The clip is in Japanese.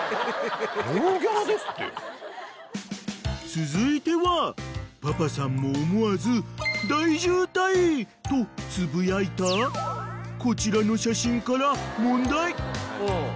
［続いてはパパさんも思わず「大渋滞」とつぶやいたこちらの写真から問題］